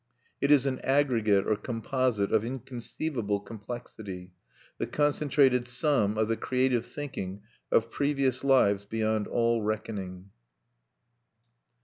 It is an aggregate or composite of inconceivable complexity, the concentrated sum of the creative thinking of previous lives beyond all reckoning.